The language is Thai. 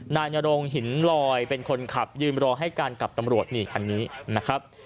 นาญาลงหินลอยเป็นคนขับยืมรอให้การกับตำรวจนี่ครับ